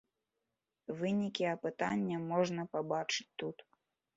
Вынікі апытання можна пабачыць тут.